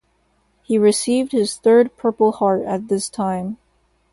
He received his third Purple Heart at this time.